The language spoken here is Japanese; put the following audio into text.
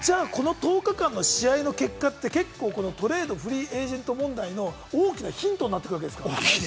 １０日間の試合の結果って、フリーエージェント問題の大きなヒントになってくるわけですか？